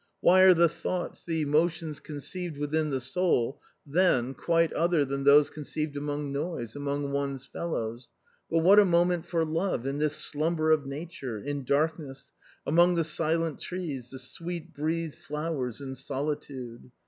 Why aTe the thoughts, the emotions conceived within the soul then quite other than those conceived among noise, among one's fellows ? But what a moment for love in this slumber of nature, in darkness, among the silent trees, the sweet breathed flowers and soli tude